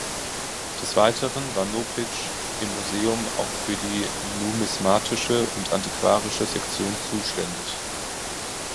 Des Weiteren war Nopitsch im Museum auch für die numismatische und antiquarische Sektion zuständig.